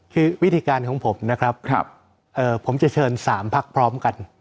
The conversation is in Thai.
คือวิธีการของผมนะครับผมจะเชิญ๓พักพร้อมกัน